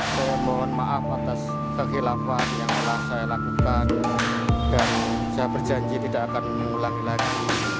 saya mohon maaf atas kehilafan yang telah saya lakukan dan saya berjanji tidak akan mengulangi lagi